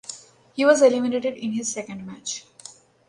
He was eliminated in his second match.